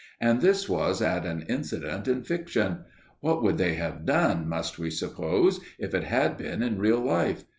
And this was at an incident in fiction: what would they have done, must we suppose, if it had been in real life?